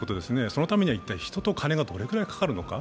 そのためには一体、人と金がどのぐらいかかるのか。